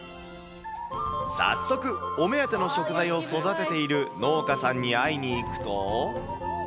早速、お目当ての食材を育てている農家さんに会いに行くと。